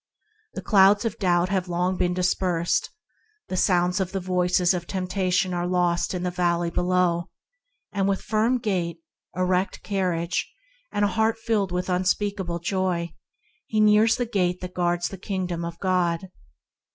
The clouds of Doubt have long been dispersed; the sounds of the voices of Temptation are lost in the valley below; and with firm gait, erect carriage, and a heart filled with unspeakable joy, he nears the Gate that guards the Kingdom of God.